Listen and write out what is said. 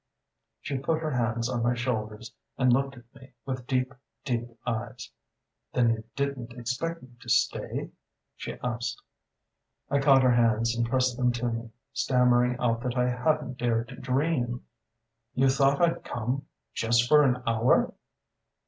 "She put her hands on my shoulders and looked at me with deep, deep eyes. 'Then you didn't expect me to stay?' she asked. "I caught her hands and pressed them to me, stammering out that I hadn't dared to dream.... "'You thought I'd come just for an hour?